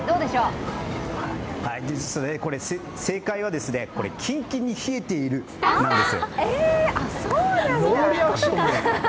実はこれ、正解はキンキンに冷えているなんです。